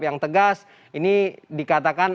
yang tegas ini dikatakan